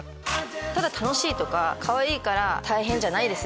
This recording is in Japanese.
ただ楽しいとかかわいいから大変じゃないです！